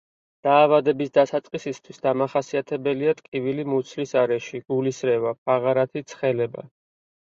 დაავადების დასაწყისისათვის დამახასიათებელია ტკივილი მუცლის არეში, გულისრევა, ფაღარათი, ცხელება.